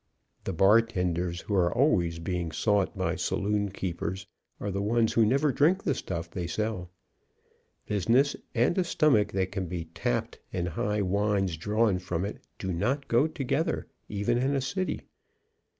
The bartenders who are always being sought by saloonkeepers are the ones who never drink the stuff they sell. Business and a stomach that can be tapped and high wines drawn from it, do not go together, even in a city.